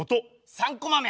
３コマ目。